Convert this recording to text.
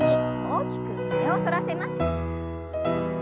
大きく胸を反らせます。